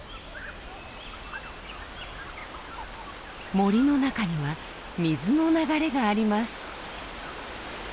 森の中には水の流れがあります。